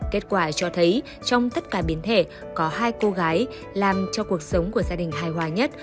kết quả cho thấy trong tất cả biến thể có hai cô gái làm cho cuộc sống của gia đình hài hòa nhất